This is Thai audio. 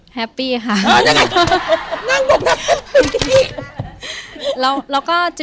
แฮปปี้ค่ะ